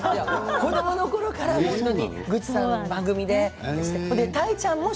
子どものころからグッチさんの番組で。